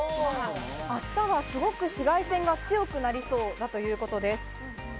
明日はすごく紫外線が強くなりそうだということです。